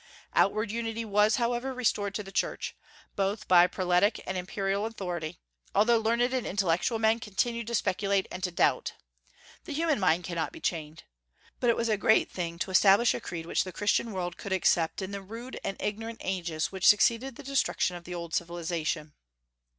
Outward unity was, however, restored to the Church, both by prelatic and imperial authority, although learned and intellectual men continued to speculate and to doubt. The human mind cannot be chained. But it was a great thing to establish a creed which the Christian world could accept in the rude and ignorant ages which succeeded the destruction of the old civilization.